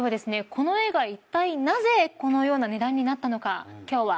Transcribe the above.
この絵がいったいなぜこのような値段になったのか今日は。